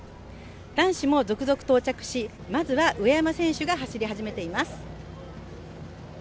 男子も続々到着し、まずは上山選手が走り始めています。